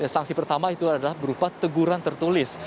sanksi pertama itu adalah berupa teguran tertulis